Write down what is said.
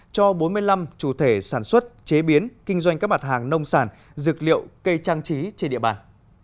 cho bốn mươi năm chủ thể sản xuất chế biến kinh doanh các mặt hàng nông sản dược liệu cây trang trí trên địa bàn